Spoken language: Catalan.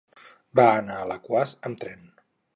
Va anar a Alaquàs amb tren.